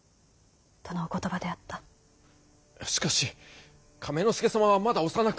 しかし亀之助様はまだ幼く。